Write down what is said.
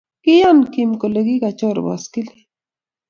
kiiyan Kim kole kigachor baskilit